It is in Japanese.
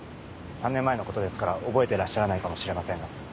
３年前のことですから覚えてらっしゃらないかもしれませんが。